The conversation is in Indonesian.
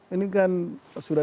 ini kan sudah